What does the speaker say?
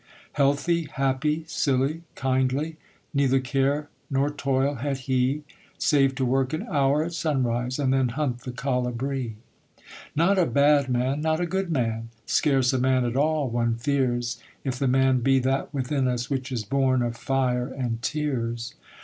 Healthy, happy, silly, kindly, Neither care nor toil had he, Save to work an hour at sunrise, And then hunt the colibri. Not a bad man; not a good man: Scarce a man at all, one fears, If the Man be that within us Which is born of fire and tears.